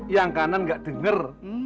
yang kanan gak denger